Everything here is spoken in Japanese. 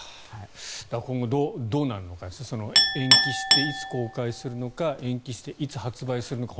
今後、どうなるのか延期して、いつ公開するのか延期して、いつ発売するのか。